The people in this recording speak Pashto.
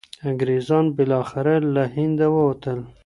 انګریزان بالاخره له هنده ووتل.